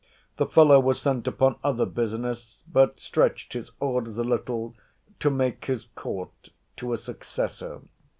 The fellow was sent upon other business; but stretched his orders a little, to make his court to a successor.